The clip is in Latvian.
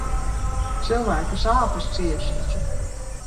Cilvēki sāpes cieš taču.